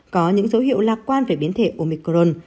có những dấu hiệu lạc quan về biến thể omicron